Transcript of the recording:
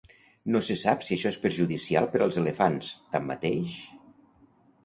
No se sap si això és perjudicial per als elefants; tanmateix...